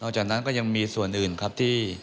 จากนั้นก็ยังมีส่วนอื่นครับที่